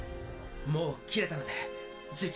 もう切れたのでじきに痛みは。